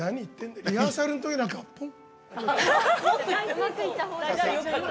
リハーサルの時なんかポン。